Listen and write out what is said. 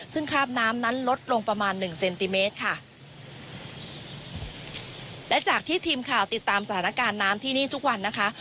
ซึ่งคราบน้ำนั้นลดลงประมาณหนึ่งเซนติเมตรค่ะและจากที่ทีมข่าวติดตามสถานการณ์น้ำที่นี่ทุกวันนะคะ